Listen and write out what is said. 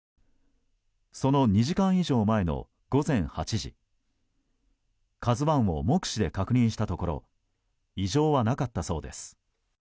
その２時間以上前の午前８時「ＫＡＺＵ１」を目視で確認したところ異常はなかったそうです。